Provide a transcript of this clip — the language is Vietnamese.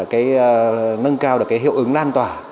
cái nâng cao được cái hiệu ứng lan tỏa